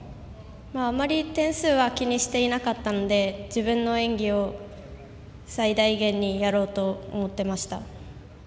あまり点数は気にしていなかったんで自分の演技を最大限にやろうと思ってました。